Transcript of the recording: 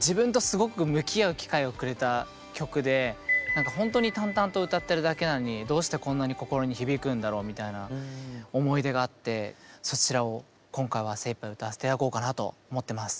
何かほんとに淡々と歌ってるだけなのにどうしてこんなに心に響くんだろうみたいな思い出があってそちらを今回は精いっぱい歌わせて頂こうかなと思ってます